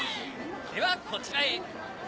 ではこちらへ。